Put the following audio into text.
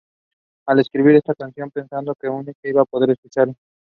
The exact origins of the movement are unknown.